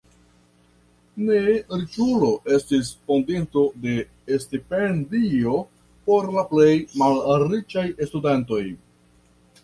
Ne riĉulo estis fondinto de stipendio por la plej malriĉaj studentoj.